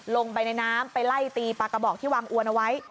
ลงไปในน้ำไปไล่ตีปลากระบอกที่วางอวนเอาไว้